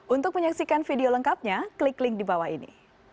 untuk menyaksikan video lengkapnya klik link di bawah ini